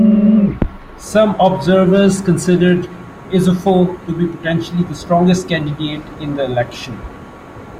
Some observers considered Issoufou to be potentially the strongest candidate in the election.